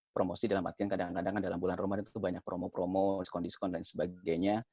promosi dalam artian kadang kadang dalam bulan ramadan itu banyak promo promo diskon diskon dan sebagainya